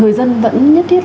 người dân vẫn nhất thiết